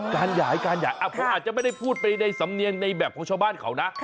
การหยายการหยายอ่ะเพราะอาจจะไม่ได้พูดไปในสำเนียงในแบบของชาวบ้านก่อน๊ะ